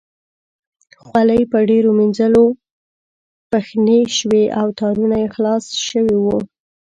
خولۍ په ډېرو مینځلو پښنې شوې او تارونه یې خلاص شوي وو.